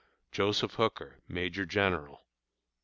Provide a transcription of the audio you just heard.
JOSEPH HOOKER, Major General.